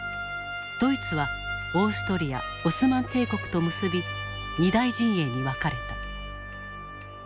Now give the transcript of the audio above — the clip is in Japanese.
ドイツはオーストリアオスマン帝国と結び二大陣営に分かれた。